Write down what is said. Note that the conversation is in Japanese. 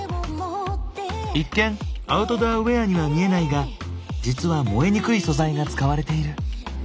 一見アウトドアウエアには見えないが実は燃えにくい素材が使われている。